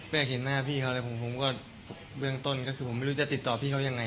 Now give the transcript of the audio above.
แม้แค่เห็นหน้าพี่เลยผมก็เบื้องต้นคือไม่รู้จะติดต่อพี่เค้ายังไง